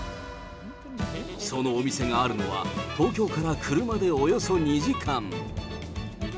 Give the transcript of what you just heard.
そのお店があるのは、東京から車でおよそ２時間。